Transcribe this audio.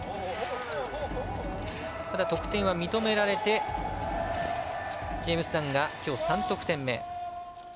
得点は認められてジェームズ・ダンがきょう、３得点目。